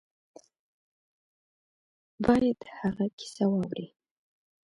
باید د هغه کیسه واوري.